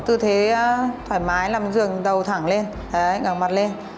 tư thế thoải mái nằm lên giường đầu thẳng lên ngằng mặt lên